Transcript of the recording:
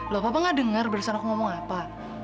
loh papa gak dengar barusan aku ngomong apa